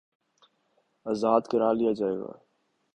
آزاد کرا لیا جائے گا